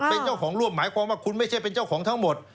เป็นเจ้าของร่วมหมายความว่าคุณไม่ใช่เป็นเจ้าของทั้งหมด